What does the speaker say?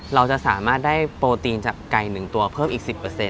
เราจะสามารถได้โปรตีนจากไก่๑ตัวเพิ่มอีก๑๐